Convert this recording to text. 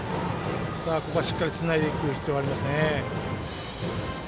ここはしっかりつないでいく必要ありますね。